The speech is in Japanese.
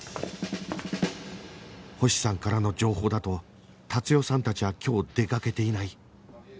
星さんからの情報だと達代さんたちは今日出かけていない